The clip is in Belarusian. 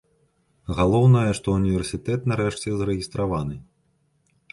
Галоўнае, што ўніверсітэт нарэшце зарэгістраваны.